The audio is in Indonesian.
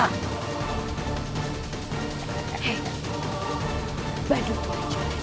hei bantu aku aja